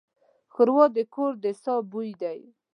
ښوروا د کور د ساه بوی دی.